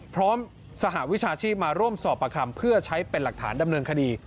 สหวิชาชีพมาร่วมสอบประคำเพื่อใช้เป็นหลักฐานดำเนินคดี